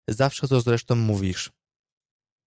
"Zawsze to zresztą mówisz!"